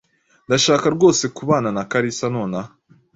Ndashaka rwose kubana na Kalisa nonaha.